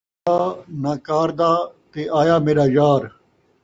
کم دا ناں کار دا تے آیا میݙا یار